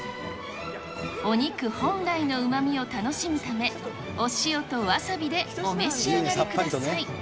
お肉本来のうまみを楽しむため、お塩とわさびでお召し上がりください。